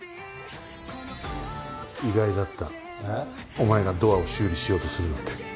お前がドアを修理しようとするなんて。